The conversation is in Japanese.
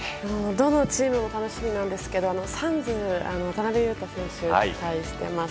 どのチームも楽しみですけどサンズの渡邊雄太に期待しています。